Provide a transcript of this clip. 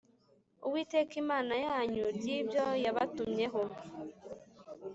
Uwiteka Imana yanyu ry ibyo yabantumyeho